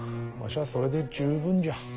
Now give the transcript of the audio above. わしはそれで十分じゃ。